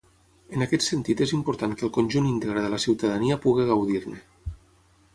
En aquest sentit és important que el conjunt íntegre de la ciutadania pugui gaudir-ne.